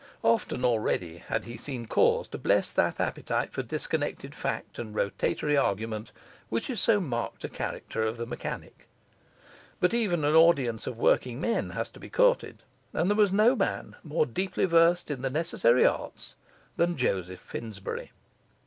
Often already had he seen cause to bless that appetite for disconnected fact and rotatory argument which is so marked a character of the mechanic. But even an audience of working men has to be courted, and there was no man more deeply versed in the necessary arts than Joseph Finsbury.